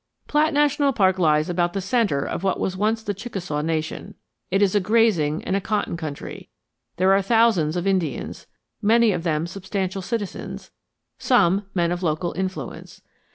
Platt National Park lies about the centre of what was once the Chickasaw nation. It is a grazing and a cotton country. There are thousands of Indians, many of them substantial citizens, some men of local influence.